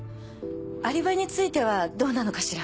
アリバイについてはどうなのかしら？